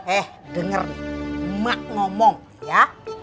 eh denger nih emak ngomong ya